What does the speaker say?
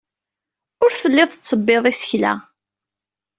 Ur telliḍ tettebbiḍ isekla.